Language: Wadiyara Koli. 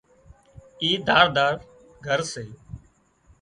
اِي ڌار ڌار گھر سي